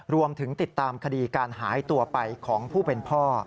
รวมถึงติดตามคดีการหายตัวไปของผู้เป็นพ่อ